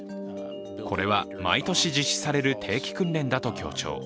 これは毎年実施される定期訓練だと強調。